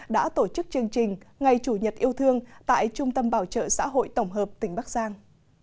đã tổ chức chương trình ngày chủ nhật yêu thương tại trung tâm bảo trợ xã hội tổng hợp tỉnh bắc giang